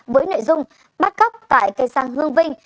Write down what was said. với nội dung bắt cắp tại cây sang hương vinh